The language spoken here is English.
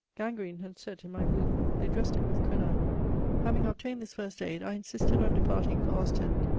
Gangrene had set in in my wound; they dressed it with quinine. Having obtained this first aid, I insisted on departing for Ostend.